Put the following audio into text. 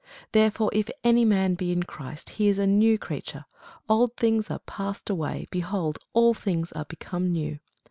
Therefore if any man be in Christ, he is a new creature: old things are passed away; behold, all things are become new.